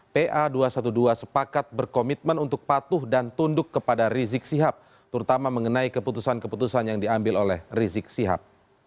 pa dua ratus dua belas sepakat berkomitmen untuk patuh dan tunduk kepada rizik sihab terutama mengenai keputusan keputusan yang diambil oleh rizik sihab